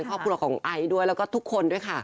ข้อผลของไอซ์ด้วยแล้วก็ทุกคนด้วยค่ะ